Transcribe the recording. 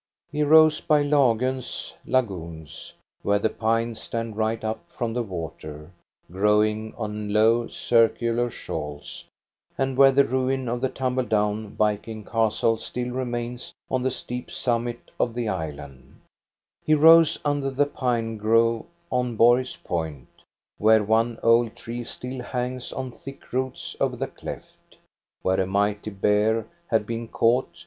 He rows by Lagon's lagoons, where the pines stand right up from the water, growing on low, circular shoals, and where the ruin of the tumble down Viking castle still remains on the steep summit of the island ; he rows under the pine grove on Borg*s point, where one old tree still hangs on thick roots over the cleft, where a mighty bear had been caught